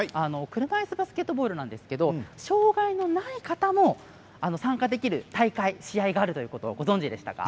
車いすバスケットボールなんですが障がいのない方も参加できる大会試合があることをご存じでしたか。